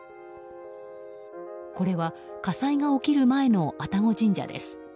これは火災が起きる前の愛宕神社です。